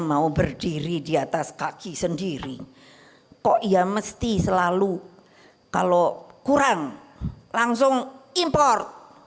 mau berdiri di atas kaki sendiri kok ya mesti selalu kalau kurang langsung import